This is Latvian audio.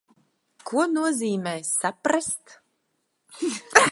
Ko nozīmē saprast?